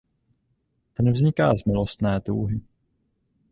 Ten vzniká z milostné touhy.